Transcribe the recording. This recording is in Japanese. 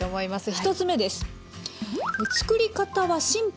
１つ目です。